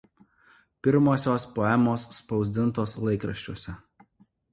Pirmosios poemos spausdintos laikraščiuose.